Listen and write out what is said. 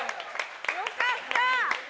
よかった！